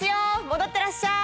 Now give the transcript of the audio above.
戻ってらっしゃい！